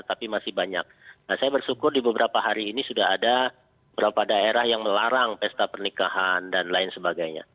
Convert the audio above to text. dan saya bersukur di beberapa hari ini sudah ada beberapa daerah yang melarang pesta pernikahan dan lain sebagainya